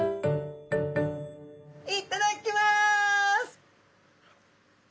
いっただっきます！